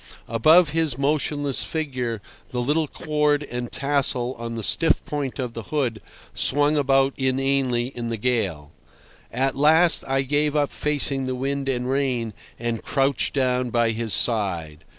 Above his motionless figure the little cord and tassel on the stiff point of the hood swung about inanely in the gale. At last I gave up facing the wind and rain, and crouched down by his side.